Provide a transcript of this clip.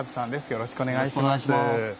よろしくお願いします。